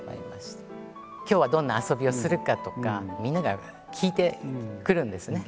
今日はどんな遊びをするかとかみんなが聞いてくるんですね。